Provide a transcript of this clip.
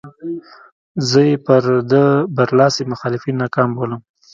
زه یې پر ده برلاسي مخالفین ناکام بولم.